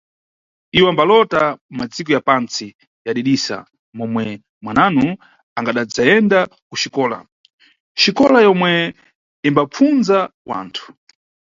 Iwo ambalota madziko ya pantsi yadidisa, momwe mwananu angadadzayenda kuxikola, xikola yomwe imbapfunza wanthu.